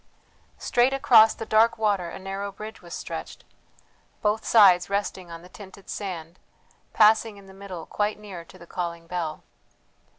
Straight across the dark water a narrow bridge was stretched, both sides resting on the tinted sand, passing in the middle quite near to the calling bell.